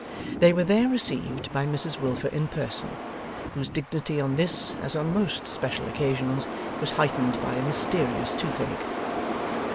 They were there received by Mrs Wilfer in person, whose dignity on this, as on most special occasions, was heightened by a mysterious toothache.